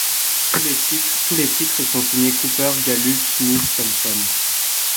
Tous les titres sont signés Cooper, Gallup, Smith, Thompson.